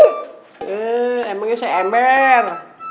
eh emangnya saya ember